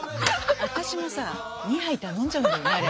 私もさ２杯頼んじゃうんだよねあれ。